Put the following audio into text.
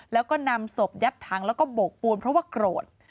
แล้วก็นำศพยัดถังแล้วก็โบกปูนเพราะว่าโกรธ